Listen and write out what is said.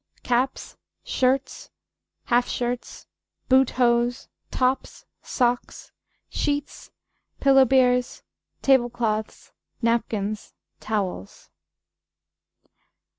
Cappes. Shirtes. Halfshirts. Boote Hose. Topps. Sockes. Sheetes. Pillowberes. Table Clothes. Napkins. Towells.